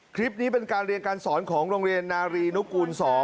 คลิปนี้เป็นการเรียนการสอนของโรงเรียนนารีนุกูล๒